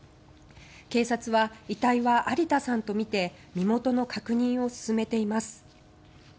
警察は遺体は有田さんとみて身元の確認を進めています。